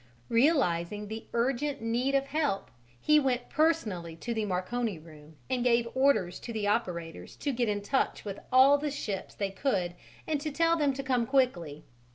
Realizing the urgent heed of help, he went personally to the Marconi room and gave orders to the operators to get into touch with all the ships they could and to tell them to come quickly.